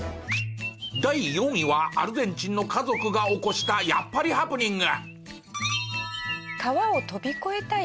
第４位はアルゼンチンの家族が起こしたやっぱりハプニング。